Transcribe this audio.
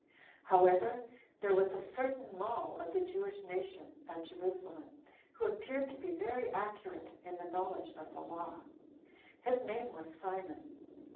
4. However, there was a certain mall of the Jewish nation at Jerusalem, who appeared to be very accurate in the knowledge of the law. His name was Simon.